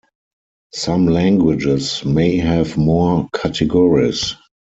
Some languages may have more categories.